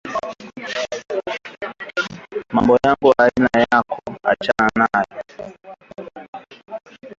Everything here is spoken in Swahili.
Mambo yangu aina yako achana nabyo